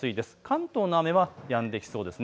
関東の雨はやんできそうです。